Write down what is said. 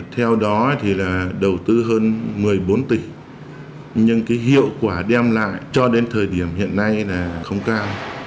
theo đó thì là đầu tư hơn một mươi bốn tỷ nhưng cái hiệu quả đem lại cho đến thời điểm hiện nay là không cao